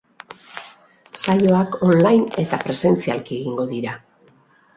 Saioak online eta presentzialki egingo dira.